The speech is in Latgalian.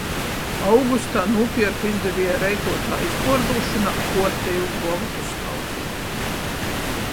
Augustā nūpierku izdevieja reikuotā izpuordūšonā kuortejū gruomotu skaudzeiti.